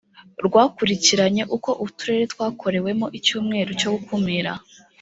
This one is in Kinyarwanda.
rwakurikiranye uko uturere twakorewemo icyumweru cyo gukumira